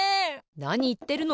なにいってるの！